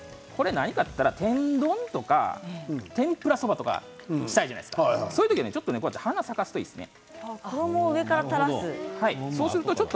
これ天丼とか天ぷらそばにしたいじゃないですかそういう時は花を咲かすといいですね。